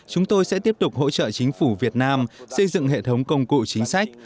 chúng tôi sẽ tiếp tục hỗ trợ chính phủ việt nam xây dựng hệ thống công cụ chính sách